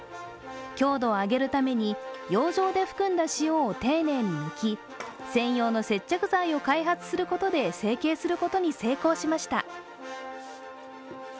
強度を上げるために、洋上で含んだ塩を丁寧に除き、専用の接着剤を開発することで成形することに成功しました。